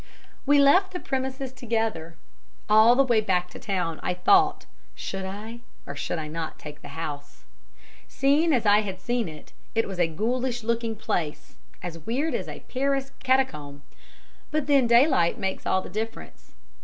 We left the premises together. All the way back to the town I thought should I, or should I not, take the house? Seen as I had seen it, it was a ghoulish looking place as weird as a Paris catacomb but then daylight makes all the difference.